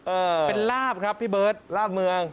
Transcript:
เออเป็นลาบครับพี่เบิร์ตลาบเมือง